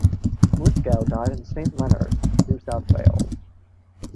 Lithgow died in Saint Leonards, New South Wales.